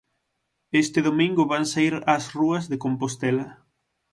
Este domingo van saír ás rúas de Compostela.